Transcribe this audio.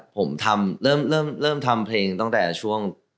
ผมเริ่มทำเพลงตั้งแต่ช่วง